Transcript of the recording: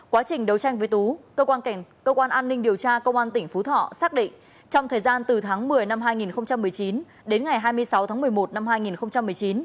quá trình đấu tranh với tú cơ quan an ninh điều tra công an tỉnh phú thọ xác định trong thời gian từ tháng một mươi năm hai nghìn một mươi chín đến ngày hai mươi sáu tháng một mươi một năm hai nghìn một mươi chín